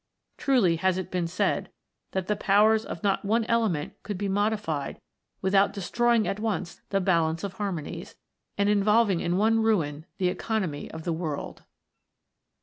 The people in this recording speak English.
Truly has it been said, that the powers of not one element could be modified without desti'oying at once the balance of harmonies, and involving in one ruin the economy of the world